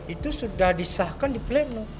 itu sudah disahkan di pleno